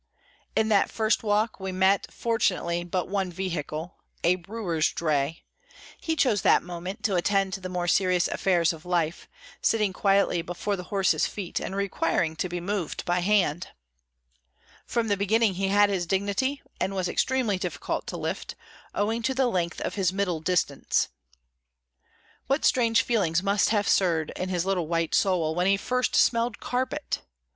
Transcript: In that first walk, we met, fortunately, but one vehicle, a brewer's dray; he chose that moment to attend to the more serious affairs of life, sitting quietly before the horses' feet and requiring to be moved by hand. From the beginning he had his dignity, and was extremely difficult to lift, owing to the length of his middle distance. What strange feelings must have stirred in his little white soul when he first smelled carpet!